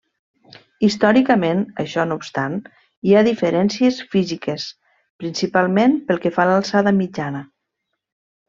Històricament, això no obstant, hi havia diferències físiques, principalment pel que fa a l'alçada mitjana.